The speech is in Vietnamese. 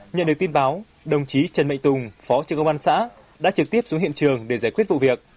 nhận được tin báo đồng chí trần mạnh tùng phó trưởng công an xã đã trực tiếp xuống hiện trường để giải quyết vụ việc